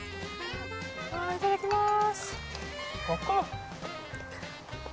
いただきまーす。